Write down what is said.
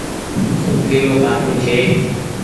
سرکي رو ڪآٽون ڇي۔